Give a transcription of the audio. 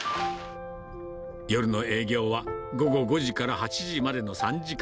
夜の営業は午後５時から８時までの３時間。